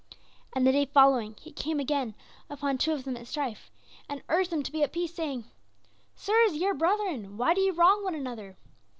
And the day following he came again upon two of them at strife, and urged them to be at peace, saying: "'Sirs, ye are brethren; why do ye wrong one another?